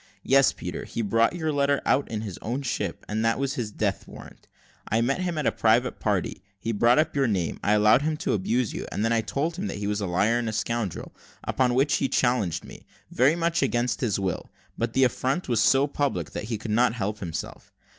Yes, Peter; he brought your letter out in his own ship, and that was his death warrant. I met him at a private party. He brought up your name I allowed him to abuse you, and then told him he was a liar and a scoundrel; upon which he challenged me, very much against his will; but the affront was so public, that he couldn't help himself.